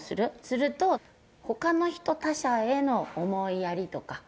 すると他の人他者への思いやりとか。